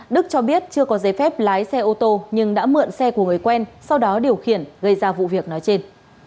đức cho biết chưa có giấy phép lái xe ô tô nhưng đã mượn xe của người quen sau đó điều khiển gây ra vụ việc nói trên